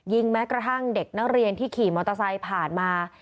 แม้กระทั่งเด็กนักเรียนที่ขี่มอเตอร์ไซค์ผ่านมา